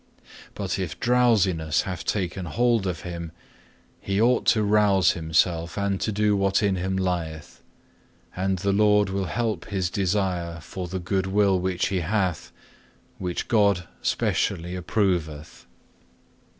But if drowsiness have taken hold of him, he ought to rouse himself and to do what in him lieth; and the Lord will help his desire for the good will which he hath, which God specially approveth.